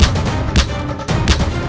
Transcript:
mereka akan deixar aku